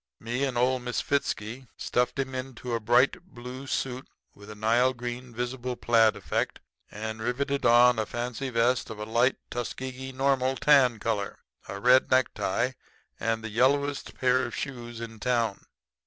Me and old Misfitzky stuffed him into a bright blue suit with a Nile green visible plaid effect, and riveted on a fancy vest of a light Tuskegee Normal tan color, a red necktie, and the yellowest pair of shoes in town.